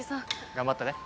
頑張ってね。